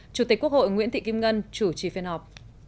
chủ tịch quốc hội nguyễn thị kim ngân chủ trì phiên họp